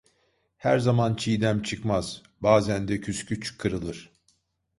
Her zaman çiğdem çıkmaz; bazen de küsküç kırılır.